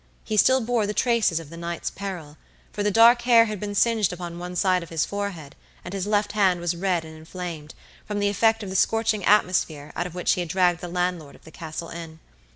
He still bore the traces of the night's peril, for the dark hair had been singed upon one side of his forehead, and his left hand was red and inflamed, from the effect of the scorching atmosphere out of which he had dragged the landlord of the Castle Inn.